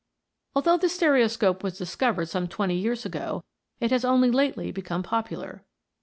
Although the stereoscope was discovered some twenty years ago, it has only lately become popular.